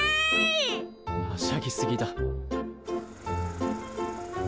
はしゃぎすぎだ。